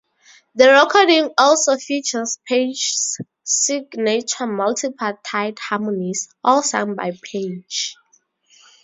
The recording also features Page's signature multi-part tight harmonies, all sung by Page.